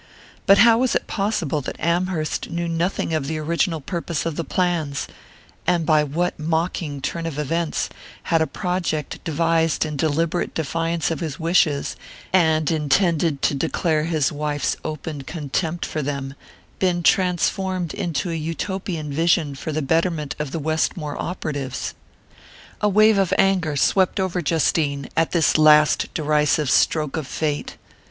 But how was it possible that Amherst knew nothing of the original purpose of the plans, and by what mocking turn of events had a project devised in deliberate defiance of his wishes, and intended to declare his wife's open contempt for them, been transformed into a Utopian vision for the betterment of the Westmore operatives? A wave of anger swept over Justine at this last derisive stroke of fate.